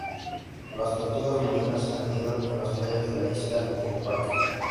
Las tortugas marinas anidan en las playas de la isla en el parque.